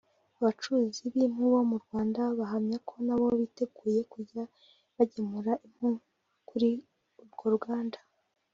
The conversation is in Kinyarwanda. Abacuruzi b’impu bo mu Rwanda bahamya ko nabo biteguye kujya bagemura impu kuri urwo ruganda